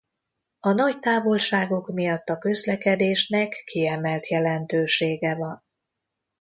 A nagy távolságok miatt a közlekedésnek kiemelt jelentősége van.